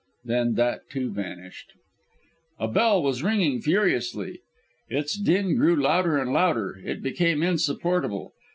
Then that, too, vanished. A bell was ringing furiously. Its din grew louder and louder; it became insupportable.